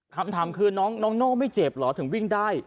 คำถามคือน้องโน่ไม่เจ็บเหรอถึงวิ่งได้